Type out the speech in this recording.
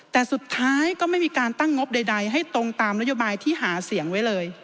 แต่สุดท้ายก็ไม่มีการตั้งงบใดให้ตรงตามนโยบายที่หาเสียงไว้เลย